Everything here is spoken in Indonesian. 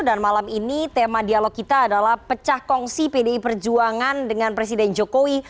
dan malam ini tema dialog kita adalah pecahkongsi pdi perjuangan dengan presiden jokowi